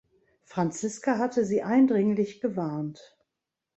Franziska hatte sie eindringlich gewarnt.